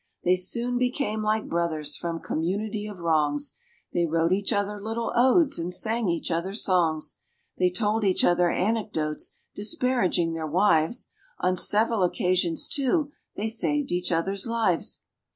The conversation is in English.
They soon became like brothers from community of wrongs: They wrote each other little odes and sang each other songs; They told each other anecdotes disparaging their wives; On several occasions, too, they saved each other's lives.